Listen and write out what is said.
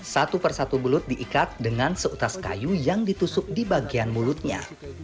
satu persatu belut diikat dengan seutas kayu yang ditusuk di bagian mulutnya